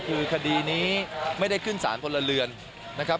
คือคดีนี้ไม่ได้ขึ้นสารพลเรือนนะครับ